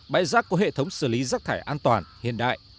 bãi rác có hệ thống xử lý rác thải an toàn hiện đại